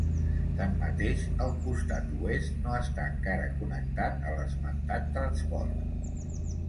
Tanmateix, el costat oest no està encara connectat a l'esmentat transport.